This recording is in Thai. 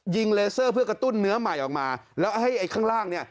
เลเซอร์เพื่อกระตุ้นเนื้อใหม่ออกมาแล้วให้ไอ้ข้างล่างเนี่ย